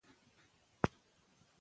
که تدریس وي نو استعداد نه مري.